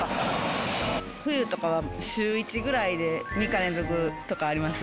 冬とかは週１ぐらいで３日連続とかあります。